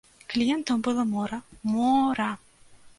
Кліентаў было мора, мо-ра!